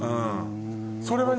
それはね